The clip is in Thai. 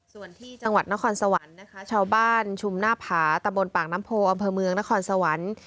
ส่วนที่จังหวัดนครสวรรค์นะคะชาวบ้านชุมหน้าผาตะบนปากน้ำโพอำเภอเมืองนครสวรรค์